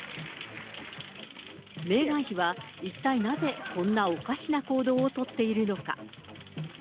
メーガン妃は、一体なぜこんなおかしな行動を取っているのか。